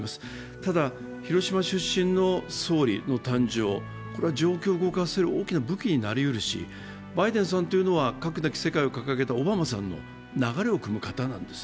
ただ、広島出身の総理の誕生は状況を動かせる大きな武器になりうるし、バイデンさんというのは核なき世界を掲げたオバマさんの流れをくむ方なんです。